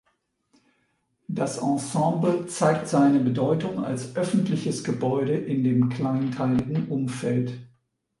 Das Ensemble zeigt seine Bedeutung als öffentliches Gebäude in dem kleinteiligen Umfeld.